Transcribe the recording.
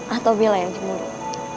atau bila yang jemuruh